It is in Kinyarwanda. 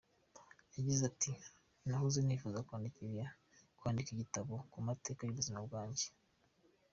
Yagize ati :« Nahoze nifuza kwandika igitabo ku mateka y’ubuzima bwanjye.